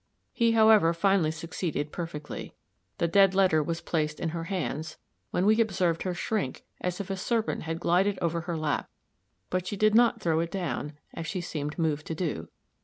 He, however, finally succeeded perfectly. The dead letter was placed in her hands, when we observed her shrink as if a serpent had glided over her lap; but she did not throw it down, as she seemed moved to do.